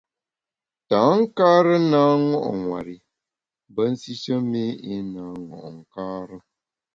Tankare na ṅo’ nwer i mbe nsishe mi i na ṅo’ nkare.